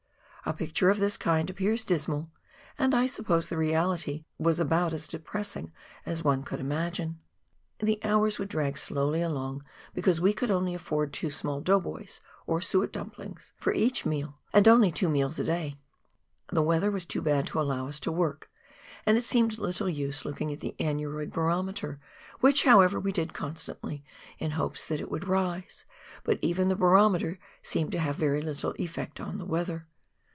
A picture of this kind appears dismal, and I suppose the reality was about as depressing as one could imagine. The COOK RIVER — MAIN BRANCH. 139 hours would drag slowly along because we could only afford two small " dough boys "— or suet dumplings — for each meal, and only two meals a day. The weather was too bad to allow us to work, and it seemed little use looking at the aneroid barometer, which, however, we did constantly in hopes that it would rise ; but even the barometer seemed to have very little effect on the weather.